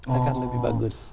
akan lebih bagus